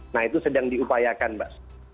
nah itu sedang diupayakan mbak